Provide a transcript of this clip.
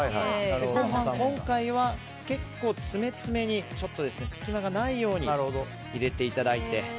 ご飯、今回は結構、詰め詰めに隙間がないように入れていただいて。